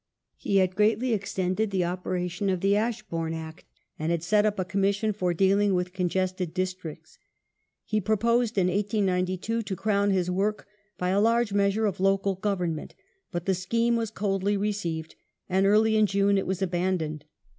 He had greatly extended the operation of the Ashbourne Act, and had set up a Commission for dealing with congested districts. He proposed, in 1892, to crown his work by a large measure of Local Government, but the scheme was coldly received, and early in June it was abandoned.